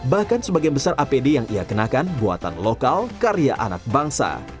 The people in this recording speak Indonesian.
bahkan sebagian besar apd yang ia kenakan buatan lokal karya anak bangsa